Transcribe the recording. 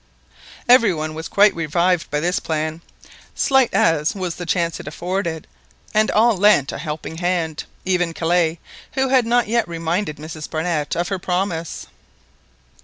Every one was quite revived by this plan, slight as was the chance it afforded, and all lent a helping hand, even Kellet, who had not yet reminded Mrs Barnett of her promise.